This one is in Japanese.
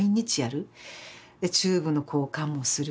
チューブの交換もする。